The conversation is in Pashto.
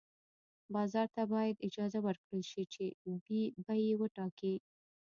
بازار ته باید اجازه ورکړل شي چې بیې وټاکي.